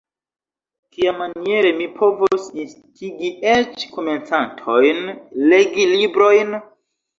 Kiamaniere mi povos instigi eĉ komencantojn legi librojn?